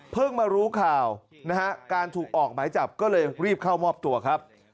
มารู้ข่าวนะฮะการถูกออกหมายจับก็เลยรีบเข้ามอบตัวครับ